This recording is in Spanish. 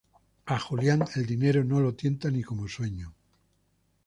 A Julián el dinero no lo tienta ni como sueño.